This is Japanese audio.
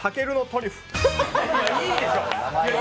いいでしょ！